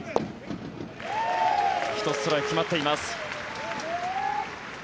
１つストライク決まっています。